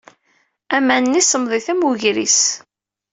Aman-nni semmḍit am wegris.